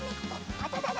あたたた。